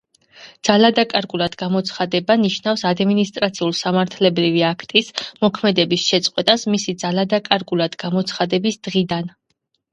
ძალადაკარგულად გამოცხადება ნიშნავს ადმინისტრაციულ-სამართლებრივი აქტის მოქმედების შეწყვეტას მისი ძალადაკარგულად გამოცხადების დღიდან.